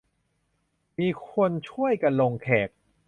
มีคนช่วยกันลงแขก